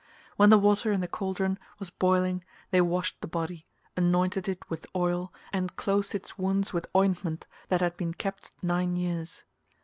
When the water in the cauldron was boiling they washed the body, anointed it with oil, and closed its wounds with ointment that had been kept nine years.